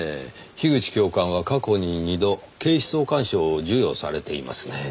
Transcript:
樋口教官は過去に２度警視総監賞を授与されていますねぇ。